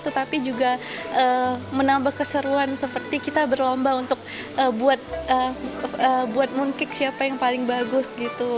tetapi juga menambah keseruan seperti kita berlomba untuk buat mooncake siapa yang paling bagus gitu